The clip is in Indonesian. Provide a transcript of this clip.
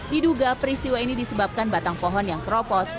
diduga peristiwa ini disebabkan batang pohon yang keropos